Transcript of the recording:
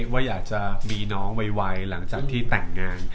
ว่าอยากจะมีน้องไวหลังจากที่แต่งงาน